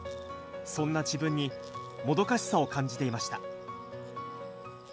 そんな自分にもどかしさを感じていました。